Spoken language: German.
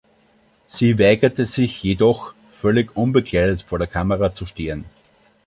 Sie weigerte sich jedoch, völlig unbekleidet vor der Kamera zu stehen.